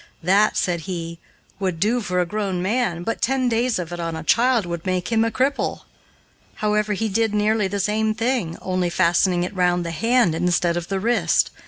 "That," said he, "would do for a grown man, but ten days of it on a child would make him a cripple." However, he did nearly the same thing, only fastening it round the hand instead of the wrist.